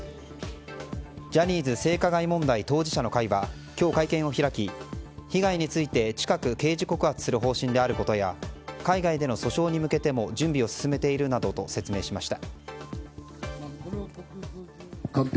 ジャニーズ性加害問題当事者の会は今日、会見を開き被害について、近く刑事告発する方針であることや海外での訴訟に向けても準備を進めているなどと説明しました。